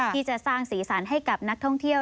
ที่จะสร้างสีสันให้กับนักท่องเที่ยว